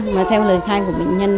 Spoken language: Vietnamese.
mà theo lời khai của bệnh nhân